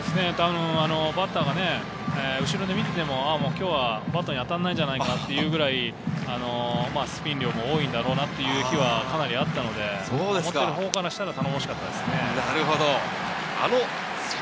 バッターが後ろで見ていても、今日は当たらないんじゃないかと思うくらい、スピン量も多いんだろうなという日があったので、守るほうからすると頼もしかったですね。